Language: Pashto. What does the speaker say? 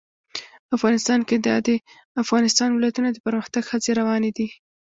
افغانستان کې د د افغانستان ولايتونه د پرمختګ هڅې روانې دي.